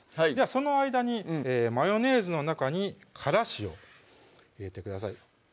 その間にマヨネーズの中にからしを入れてください